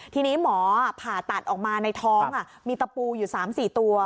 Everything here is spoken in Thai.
ทีนี้หมอผ่าตัดออกมาในท้องมีตะปูอยู่๓๔ตัว